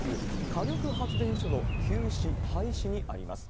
火力発電所の休止、廃止にあります。